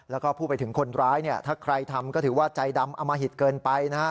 แล้วก็พูดไปถึงคนร้ายเนี่ยถ้าใครทำก็ถือว่าใจดำอมหิตเกินไปนะฮะ